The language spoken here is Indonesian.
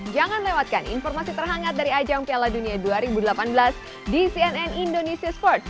jangan lewatkan informasi terhangat dari ajang piala dunia dua ribu delapan belas di cnn indonesia sport